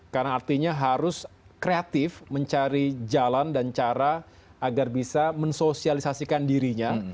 karena artinya harus kreatif mencari jalan dan cara agar bisa mensosialisasikan dirinya